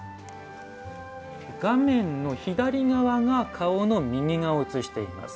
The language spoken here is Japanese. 画面の左側が顔の右側を写しています。